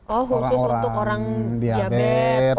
oh khusus untuk orang diabetes